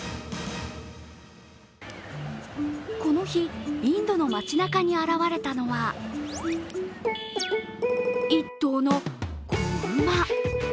この日、インドの町なかに現れたのは、１頭の子馬。